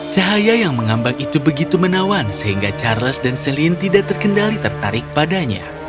cahaya yang mengambang itu begitu menawan sehingga charles dan celine tidak terkendali tertarik padanya